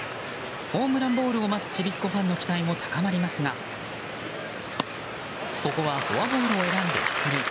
ホームランボールを待つちびっこファンの期待も高まりますがここはフォアボールを選んで出塁。